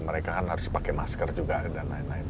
mereka kan harus pakai masker juga dan lain lain